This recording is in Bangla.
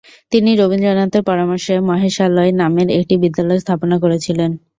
তিনি রবীন্দ্রনাথের পরামর্শে 'মহেশালয়' নামের একটি বিদ্যালয় স্থাপনা করেছিলেন।